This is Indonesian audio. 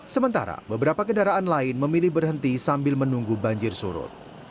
sementara beberapa kendaraan lain memilih berhenti sambil menunggu banjir surut